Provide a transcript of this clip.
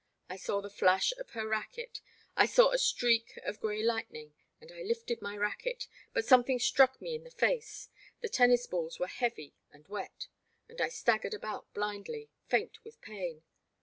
I saw the flash of her racquet, I saw a streak of g^ay lightning, and I lifted my racquet, but something struck me in the face, — the tennis balls were heavy and wet, — and I staggered about blindly, faint with pain.